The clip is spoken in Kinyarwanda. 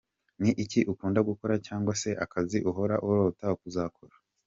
Ni iki ukunda gukora cyangwa se akazi uhora urota kuzakora?.